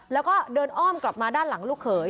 แล้วก็เดินอ้อมกลับมาด้านหลังลูกเขย